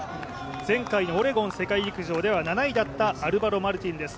前回のオレゴン世界陸上では７位だったアルバロ・マルティンです